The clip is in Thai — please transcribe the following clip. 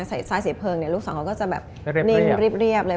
ใส่ไซส์สีเพลิงลูกสองก็จะแบบนิ่งเรียบเลย